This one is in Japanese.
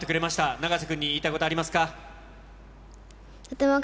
永瀬君に言いたいことありますか？